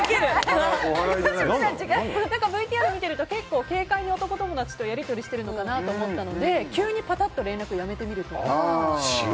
ＶＴＲを見ていると結構、軽快に男友達とやり取りしているのかなって思ったので、急にパタッとやめてみるとか。